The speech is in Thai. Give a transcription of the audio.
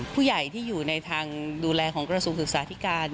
ผู้ใหญ่ที่อยู่ในทางดูแลของกระทรวงศึกษาธิการ